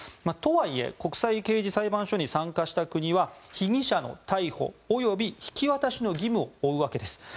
とはいえ国際刑事裁判所に参加した国は被疑者の逮捕及び引き渡しの義務を負うわけです。